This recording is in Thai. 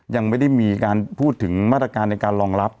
ยังไม่ได้มีการพูดถึงมาตรการในการรองรับ